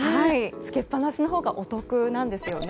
つけっぱなしのほうがお得なんですよね。